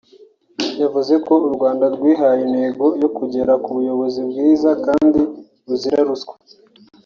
yavuze ko u Rwanda rwihaye intego yo kugera ku buyobozi bwiza kandi buzira ruswa